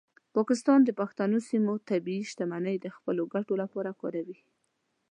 پاکستان د پښتنو سیمو طبیعي شتمنۍ د خپلو ګټو لپاره کاروي.